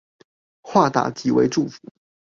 化打擊為祝福